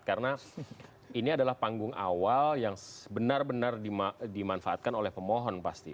karena ini adalah panggung awal yang benar benar dimanfaatkan oleh pemohon pasti